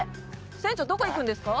船長どこ行くんですか？